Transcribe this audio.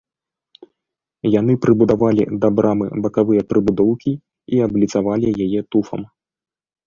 Яны прыбудавалі да брамы бакавыя прыбудоўкі і абліцавалі яе туфам.